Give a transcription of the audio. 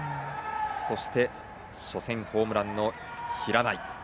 そして、初戦ホームランの平内。